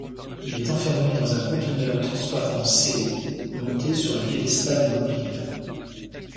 Il est enfermé dans un conteneur transparent scellé, monté sur un piédestal mobile.